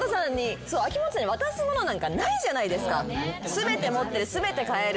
全て持ってる全て買える。